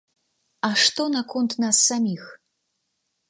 А што наконт нас саміх?